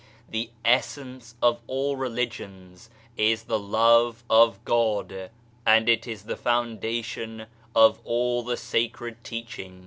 The Essence of all Religions is the Love of God, and it is the foundation of all the sacred teachings.